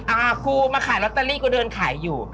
อ่ากูมาขายลอตเตอรี่กูเดินขายอยู่